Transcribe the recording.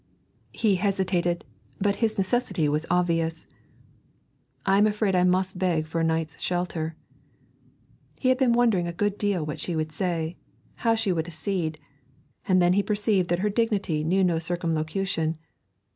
He hesitated, but his necessity was obvious. 'I am afraid I must beg for a night's shelter.' He had been wondering a good deal what she would say, how she would accede, and then he perceived that her dignity knew no circumlocution.